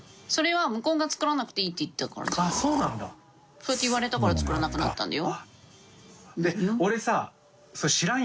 そうやって言われたから作らなくなったんだよ。